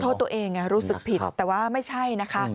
เพราะตัวเองรู้สึกผิดแต่ว่าไม่ใช่นะคะ